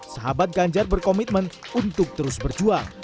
sahabat ganjar berkomitmen untuk terus berjuang